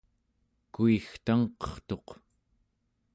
kuigtangqertuq